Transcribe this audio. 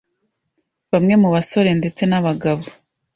Bamwe mu basore ndetse n’abagabo